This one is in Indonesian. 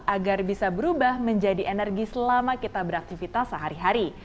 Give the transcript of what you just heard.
agar bisa berubah menjadi energi selama kita beraktivitas sehari hari